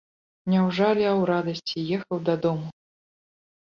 Не ў жалі, а ў радасці ехаў дадому.